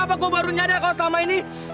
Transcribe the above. kenapa gue baru nyadar kau selama ini